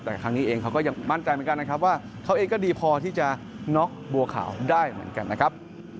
แต่ครั้งนี้เองเขาก็ยังมั่นใจเหมือนกันนะครับว่าเขาเองก็ดีพอที่จะน็อกบัวขาวได้เหมือนกันนะครับ